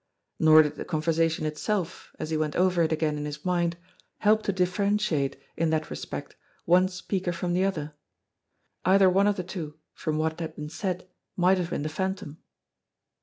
Nor did the conversation itself, as he went over it again in his mind, help 194* JIMMIE DALE AND THE PHANTOM CLUE to differentiate in that respect one speaker from the other. Either one of the two, from what had been said, might have been the Phantom.